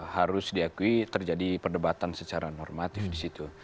harus diakui terjadi perdebatan secara normatif di situ